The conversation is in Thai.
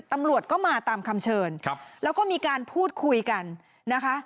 ตำรวจก็มาตามคำเชิญครับแล้วก็มีการพูดคุยกันนะคะ